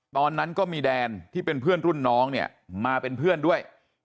ตอนนั้นก็มีแดนที่เป็นเพื่อนรุ่นน้องเนี่ยมาเป็นเพื่อนด้วย